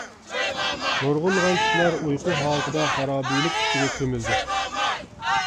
نۇرغۇنلىغان كىشىلەر ئۇيقۇ ھالىتىدە خارابىلىك ئىچىگە كۆمۈلدى.